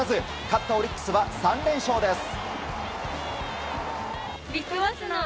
勝ったオリックスは３連勝です。